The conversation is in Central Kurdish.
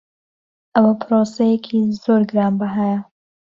ئەوە پرۆسەیەکی زۆر گرانبەهایە.